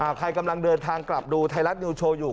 ใครกำลังเดินทางกลับดูไทยรัฐนิวโชว์อยู่